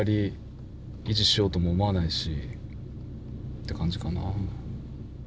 って感じかな。